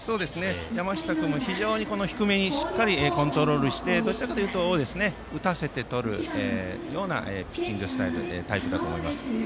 山下君も低めにしっかりコントロールしてどちらかというと打たせてとるようなピッチングタイプだと思います。